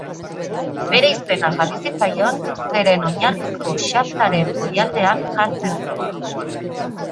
Bere izena jarri zitzaion zeren oinarrizko xaflaren goialdean jartzen zen.